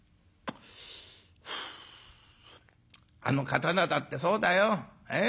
「あの刀だってそうだよ。ええ？